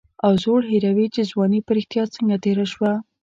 او زوړ هېروي چې ځواني په رښتیا څنګه تېره شوه.